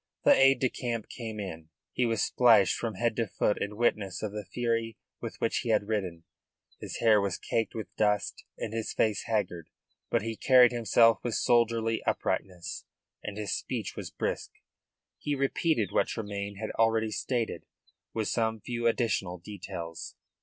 The aide de camp came in. He was splashed from head to foot in witness of the fury with which he had ridden, his hair was caked with dust and his face haggard. But he carried himself with soldierly uprightness, and his speech was brisk. He repeated what Tremayne had already stated, with some few additional details.